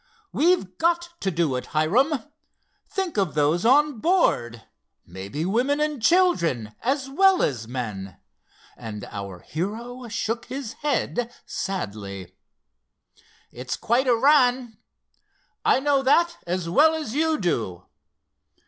"We've got to do it, Hiram. Think of those on board—maybe women and children as well as men!" and our hero shook his head sadly. "It's quite a run." "I know that as well as you do."